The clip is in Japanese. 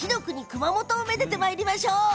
熊本をめでてまいりましょう。